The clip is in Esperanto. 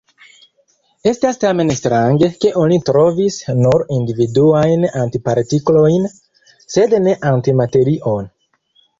Estas tamen strange, ke oni trovis nur individuajn antipartiklojn, sed ne antimaterion.